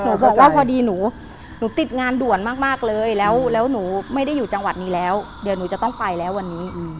บอกว่าพอดีหนูหนูติดงานด่วนมากเลยแล้วหนูไม่ได้อยู่จังหวัดนี้แล้วเดี๋ยวหนูจะต้องไปแล้ววันนี้